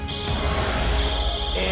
え？